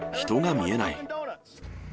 人が見えない。